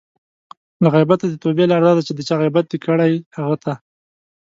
له غیبته د توبې لاره دا ده چې د چا غیبت دې کړی؛ هغه ته